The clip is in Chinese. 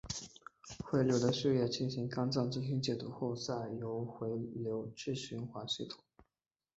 回流的血液进入肝脏进行解毒后再由回流至循环系统。